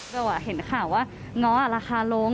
เห็นข่าวว่าง้อราคาลง